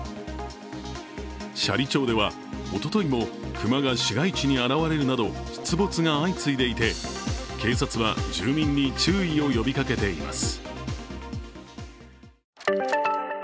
斜里町ではおとといも熊が市街地に現れるなど出没が相次いでいて警察は住民に注意を呼びかけています。